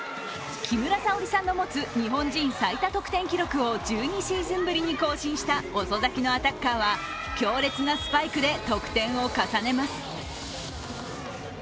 木村沙織さんの持つ日本人最多得点記録を１２シーズンぶりに更新した遅咲きのアタッカーは強烈なスパイクで得点を重ねます。